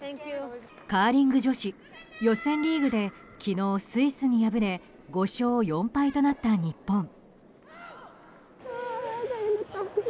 カーリング女子予選リーグで昨日スイスに敗れ５勝４敗となった日本。